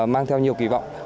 mang theo nhiều kỳ vọng